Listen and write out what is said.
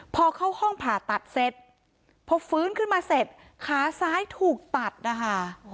พอเข้าห้องผ่าตัดเสร็จพอฟื้นขึ้นมาเสร็จขาซ้ายถูกตัดนะคะ